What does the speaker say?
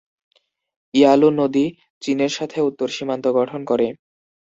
Yalu নদী চীনের সাথে উত্তর সীমান্ত গঠন করে।